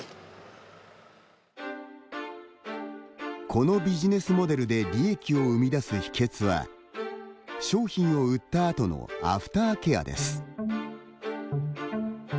このビジネスモデルで利益を生み出す秘訣は商品を売った後のアフターケアです。